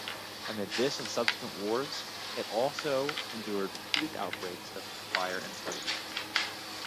Amid this and subsequent wars, it also endured repeated outbreaks of fire and plague.